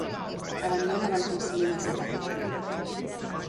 Abandona abans no sigui massa tard.